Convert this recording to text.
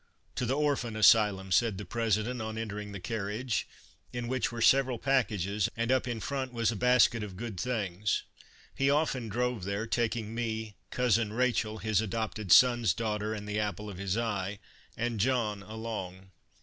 " To the Orphan Asylum," said the President on entering the carriage, in which were several packages, Christmas Under Three Plugs and up in front was a basket of good things. He often drove there, taking me, cousin Rachel (his adopted son's daughter and the apple of his eye), and John along.